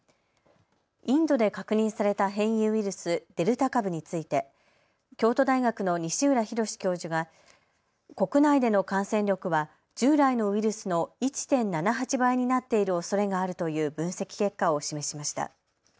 インドで確認された変異ウイルス、デルタ株について京都大学の西浦博教授が国内での感染力は従来のウイルスの１．７８倍になっているおそれがあるという分析結果を示しました。